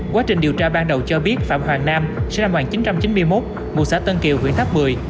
quá trình điều tra ban đầu cho biết phạm hoàng nam sinh năm một nghìn chín trăm chín mươi một mùa xã tân kiều huyện tháp mười